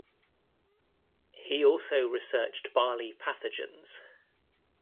He also researched barley pathogens.